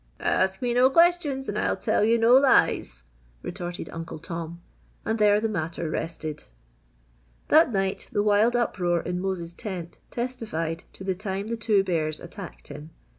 "Ask me no questions and I'll tell you no lies!" retorted Uncle Tom, and there the matter rested. That night the wild uproar in Mose's tent testified to the time the two bears attacked him.